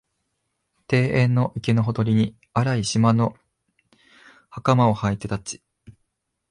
庭園の池のほとりに、荒い縞の袴をはいて立ち、